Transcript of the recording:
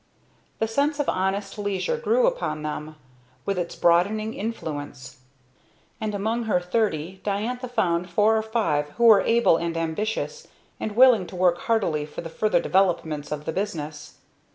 The sense of honest leisure grew upon them, with its broadening influence; and among her thirty Diantha found four or five who were able and ambitious, and willing to work heartily for the further development of the business.